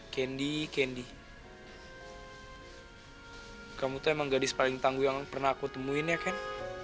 kendi kendi kamu tuh emang gadis paling tangguh yang pernah aku temuin ya ken